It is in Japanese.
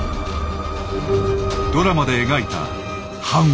ドラマで描いた半割れ。